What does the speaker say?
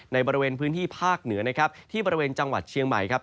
ในบริเวณพื้นที่ภาคเหนือนะครับที่บริเวณจังหวัดเชียงใหม่ครับ